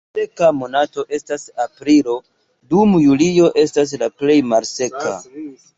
La plej seka monato estas aprilo, dum julio estas la plej malseka.